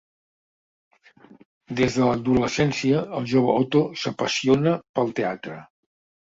Des de l'adolescència, el jove Otto s'apassiona pel teatre.